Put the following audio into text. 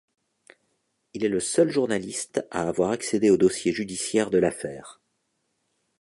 Il est le seul journaliste à avoir accédé au dossier judiciaire de l’affaire.